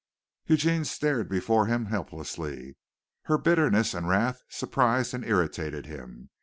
Eugene stared before him helplessly. Her bitterness and wrath surprised and irritated him.